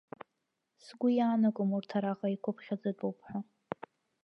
Сгәы иаанагом урҭ араҟа еиқәыԥхьаӡатәуп ҳәа.